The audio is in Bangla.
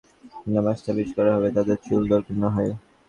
তাবিজ–কবজ করতে হলে যাদের নামে তাবিজ করা হবে, তাদের চুল দরকার হয়।